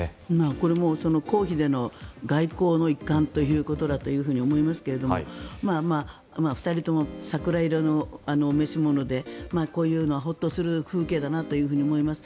これも公費での外交の一環ということだと思いますが２人とも桜色のお召し物でこういうのはホッとする風景だなと思います。